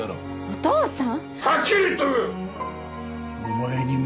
お父さん。